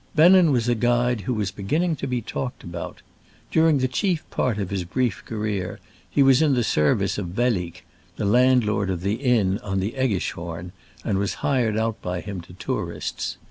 Bennen was a guide who was begin ning to be talked about. During the chief part of his brief career he was in the service of Wellig, the landlord of the inn on the ^Eggischhorn, and was hired out by him to tourists.